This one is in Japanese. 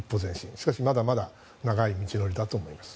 しかし、まだまだ長い道のりだと思います。